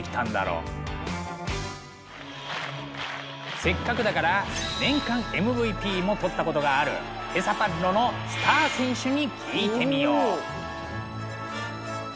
でもせっかくだから年間ＭＶＰも取ったことがあるペサパッロのスター選手に聞いてみよう。